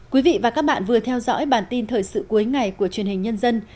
quý vị và các bạn vừa theo dõi bản tin thời sự cuối ngày của truyền hình nhân dân